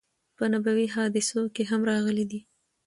په نبوی حادثو کی هم راغلی دی